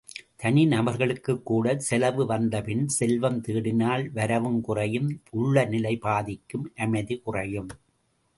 தனி நபர்களுக்கும் கூடச் செலவு வந்தபின் செல்வம் தேடினால் வரவு குறையும் உள்ள நிலை பாதிக்கும் அமைதி குறையும்.